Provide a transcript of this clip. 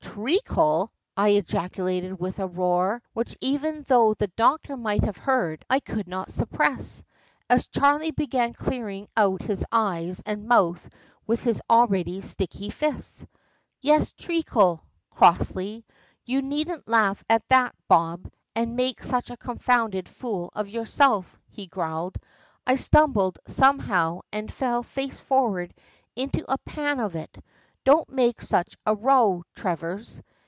"Treacle!" I ejaculated with a roar, which even though the doctor might have heard I could not suppress, as Charley began clearing out his eyes and mouth with his already sticky fists. "Yes, treacle," crossly. "You needn't laugh like that, Bob, and make such a confounded fool of yourself," he growled. "I stumbled, somehow, and fell face forward into a pan of it. Don't make such a row, Travers!"